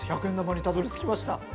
１００円玉にたどりつきました。